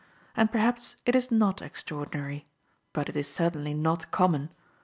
And perhaps it is not extraor dinary, but it is certainly not common.